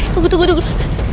tunggu tunggu tunggu